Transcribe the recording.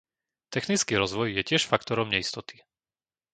Technický rozvoj je tiež faktorom neistoty.